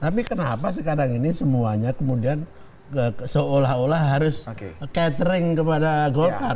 tapi kenapa sekarang ini semuanya kemudian seolah olah harus catering kepada golkar